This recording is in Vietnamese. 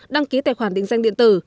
đăng ký tài khoản định danh điện tử